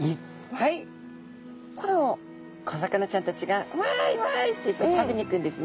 これを小魚ちゃんたちが「わいわい」って食べに行くんですね。